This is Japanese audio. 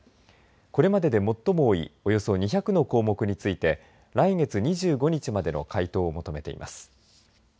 これまでで最も多いおよそ２００の項目について来月２５日までの回答を求めています。